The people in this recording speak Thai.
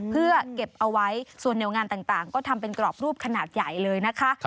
เพื่อเก็บเอาไว้ส่วนแนวงานต่างก็ทำเป็นกรอบรูปขนาดใหญ่เลยนะคะ